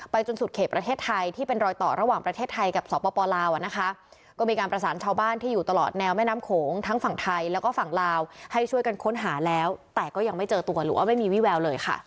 จนสุดเขตประเทศไทยที่เป็นรอยต่อระหว่างประเทศไทยกับสปลาวนะคะก็มีการประสานชาวบ้านที่อยู่ตลอดแนวแม่น้ำโขงทั้งฝั่งไทยแล้วก็ฝั่งลาวให้ช่วยกันค้นหาแล้วแต่ก็ยังไม่เจอตัวหรือว่าไม่มีวิแววเลยค่ะ